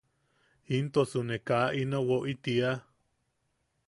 –¿Intosu ne kaa ino woʼi tiia?